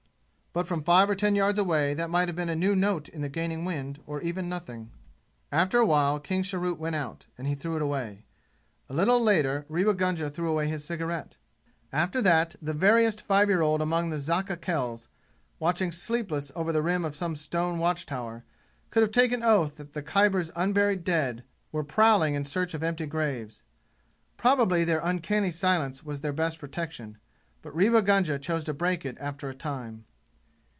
But from five or ten yards away that might have been a new note in the gaining wind or even nothing. After a while King's cheroot went out, and he threw it away. A little later Rewa Gunga threw away his cigarette. After that, the veriest five year old among the Zakka Khels, watching sleepless over the rim of some stone watch tower, could have taken oath that the Khyber's unburied dead were prowling in search of empty graves. Probably their uncanny silence was their best protection; but Rewa Gunga chose to break it after a time.